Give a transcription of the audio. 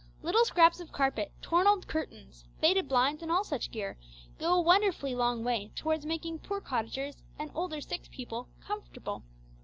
Little scraps of carpet, torn old curtains, faded blinds, and all such gear, go a wonderfully long way towards making poor cottagers and old or sick people comfortable.